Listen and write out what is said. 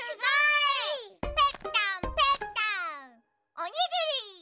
おにぎり！